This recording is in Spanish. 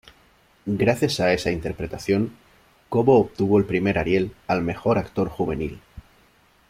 Gracias a esa interpretación, Cobo obtuvo el primer Ariel al Mejor Actor Juvenil.